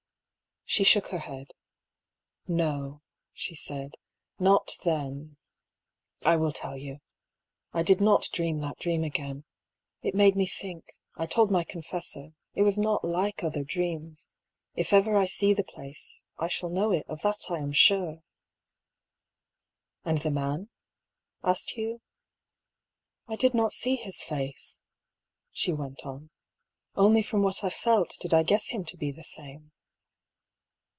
She shook her head. " No," she said, " not then. ... I will tell you. I did not dream that dream again. It made me think ; I told my confessor. It was not like other dreams. If ever I see the place I shall know it ; of that I am sure." " And the man ?" asked Hugh. " I did not see his face," she went on. " Only from what I felt did I guess him to be the same."